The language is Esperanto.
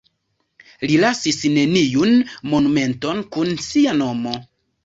Li lasis neniun monumenton kun sia nomo.